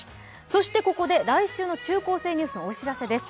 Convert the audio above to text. ここで来週の中高生ニュースのお知らせです。